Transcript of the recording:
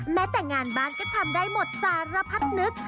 แม้แต่งานบ้านก็ทำได้หมดสารพัดนึก